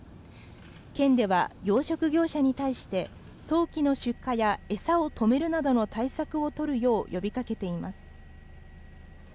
県では養殖業者に対して、早期の出荷や餌を止めるなどの対策を取るよう呼びかけています。